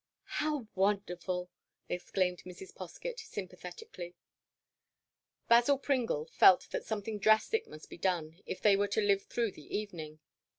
"How wonderful!" exclaimed Mrs. Poskett, sympathetically. Basil Pringle felt that something drastic must be done if they were to live through the evening.